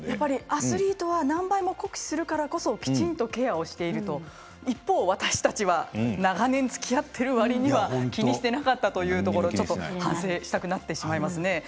アスリートは何倍も酷使するからこそきちんとケアをしている、私たちは長年つきあっているわりには気にしていなかったというところ反省したくなりますね。